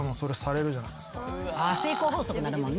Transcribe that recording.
成功法則なるもんね。